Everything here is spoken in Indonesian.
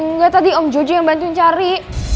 enggak tadi om jojo yang bantuin cari